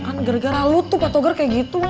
kan gara gara lu tuh pak togar kayak gitu